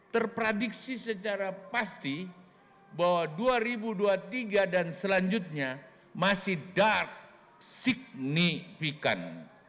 terprediksi secara pasti bahwa dua ribu dua puluh tiga dan selanjutnya masih dark signifikan